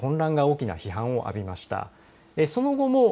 撤退時の混乱が大きな批判を浴びました。